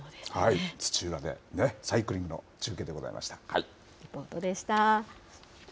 土浦で、サイクリングの中継でごリポートでした。